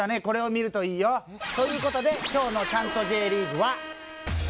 これを見るといいよ。という事で今日の『チャント！！Ｊリーグ』は。